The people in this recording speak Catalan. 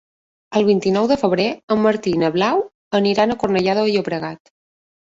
El vint-i-nou de febrer en Martí i na Blau aniran a Cornellà de Llobregat.